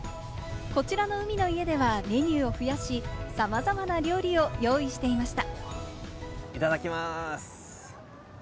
こちらの海の家ではメニューを増やし、さまざまな料理を用意していました。